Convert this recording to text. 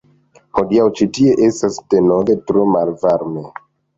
Hodiaŭ ĉi tie estas denove tro malvarme.